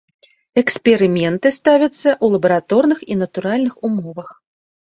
Эксперыменты ставяцца ў лабараторных і натурных умовах.